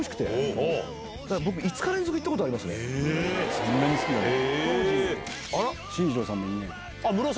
そんなに好きなんだ。